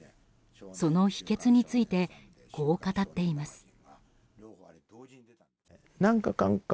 その秘訣についてこう語っています。